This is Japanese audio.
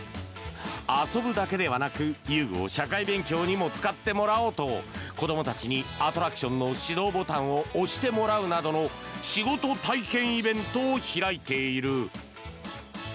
遊ぶだけではなく、遊具を社会勉強にも使ってもらおうと子どもたちにアトラクションの始動ボタンを押してもらうなどの仕事体験イベントを開いている。